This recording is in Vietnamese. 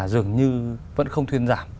dường như vẫn không thuyên giảm